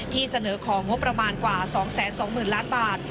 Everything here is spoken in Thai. ที่เสนอของงบประมาณกว่า๒๒๐๐๐ล้านบาท